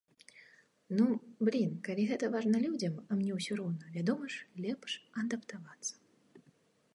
Ну, блін, калі гэта важна людзям, а мне ўсё роўна, вядома ж, лепш адаптавацца.